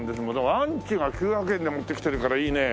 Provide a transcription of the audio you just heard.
ランチが９００円で持ってきてるからいいね。